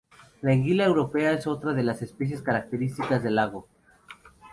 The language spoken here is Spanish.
La anguila europea es otra de las especies característica del lago.